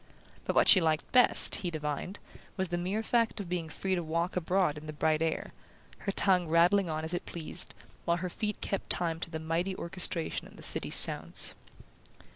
But what she liked best, he divined, was the mere fact of being free to walk abroad in the bright air, her tongue rattling on as it pleased, while her feet kept time to the mighty orchestration of the city's sounds.